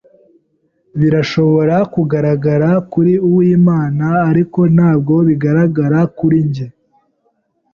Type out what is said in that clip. Birashobora kugaragara kuri Uwimana, ariko ntabwo bigaragara kuri njye.